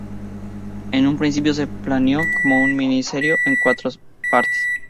En un principio se planeó como una miniserie en cuatro partes.